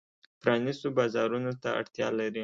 پرانیستو بازارونو ته اړتیا لري.